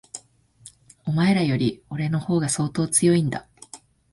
お前らより、俺の方が相当強いんだ。